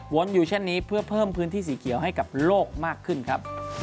อยู่เช่นนี้เพื่อเพิ่มพื้นที่สีเขียวให้กับโลกมากขึ้นครับ